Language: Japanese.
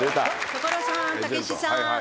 所さんたけしさん。